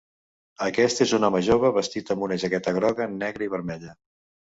Aquest és un home jove vestit amb una jaqueta groga, negra i vermella.